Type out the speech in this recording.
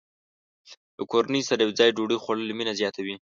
د کورنۍ سره یوځای ډوډۍ خوړل مینه زیاته وي.